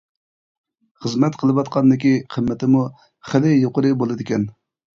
خىزمەت قىلىۋاتقاندىكى قىممىتىمۇ خىلى يۇقىرى بولىدىكەن.